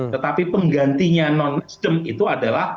tetapi penggantinya non nasdem itu adalah